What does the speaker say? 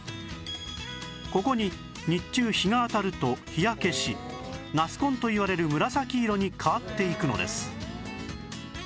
ここに日中日が当たると日焼けしナス紺といわれる紫色に変わっていくのです